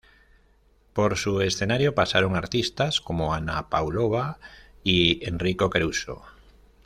Por su escenario pasaron artistas como Anna Pavlova y Enrico Caruso.